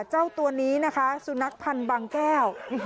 เจ้าตัวนี้นะคะสุนัขพันธ์บางแก้ว